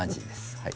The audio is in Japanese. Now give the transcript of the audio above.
はい。